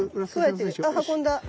あっ運んだ。